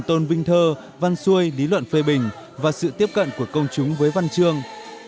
tôn vinh thơ văn xuôi lý luận phê bình và sự tiếp cận của công chúng với văn chương